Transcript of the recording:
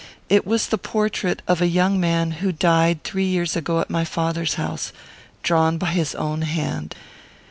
It was the portrait of a young man who died three years ago at my father's house, drawn by his own hand.